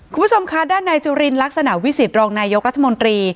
คุณผู้ชมคะด้านในจุลินลักษณะวิสิตรองนายกรัฐมนตรี